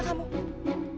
aku mau pergi dulu